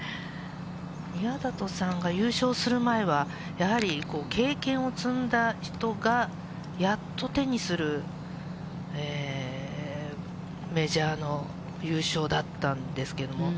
宮里さんが優勝する前は、やはり経験を積んだ人がやっと手にするメジャーの優勝だったんですけれども。